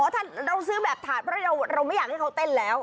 ถ้าเราซื้อแบบถาดเพราะเราไม่อยากให้เขาเต้นแล้ว